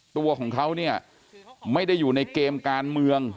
ตัวของเขาเนี่ยไม่ได้อยู่ในเกมการเมือง